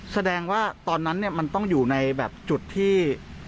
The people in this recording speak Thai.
แสดงว่าตอนนั้นมันต้องอยู่ในแบบจุดที่